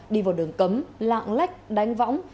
đi vào đường cấm lạng lách đánh võng